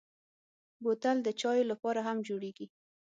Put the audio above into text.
بوتل د چايو لپاره هم جوړېږي.